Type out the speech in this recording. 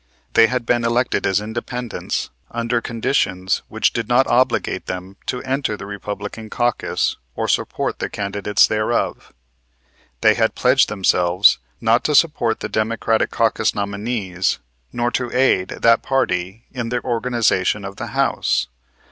They had been elected as Independents under conditions which did not obligate them to enter the Republican caucus or support the candidates thereof. They had pledged themselves not to support the Democratic caucus nominees, nor to aid that party in the organization of the House.